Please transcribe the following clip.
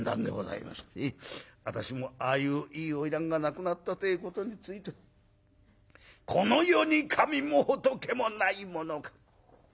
私もああいういい花魁が亡くなったてえことについてはこの世に神も仏もないものか。